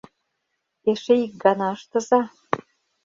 — Эше ик гана ыштыза.